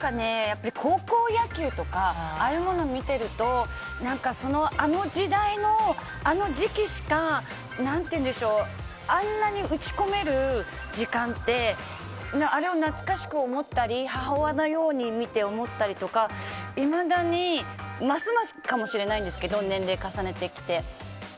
高校野球とか見てるとあの時代の、あの時期しか何ていうんでしょうあんなに打ち込める時間ってあれを懐かしく思ったり母親のように見て思ったりとか、いまだにますますかもしれないんですけど年齢を重ねてきて。